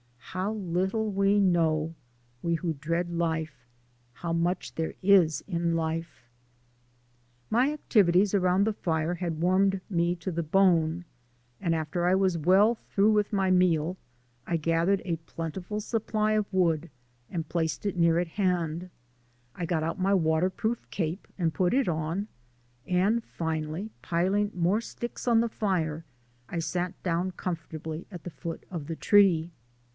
How little we know we who dread life how much there is in life! My activities around the fire had warmed me to the bone, and after I was well through with my meal I gathered a plentiful supply of wood and placed it near at hand, I got out my waterproof cape and put it on, and, finally piling more sticks on the fire, I sat down comfortably at the foot of the tree.